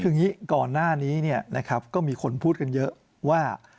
คืออย่างนี้ก่อนหน้านี้ก็มีคนพูดกันเยอะว่า